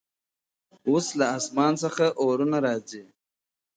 اوس له اسمان څخه اورونـــــــه راځـــــــي_